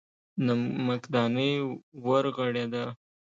نمکدانۍ ورغړېده.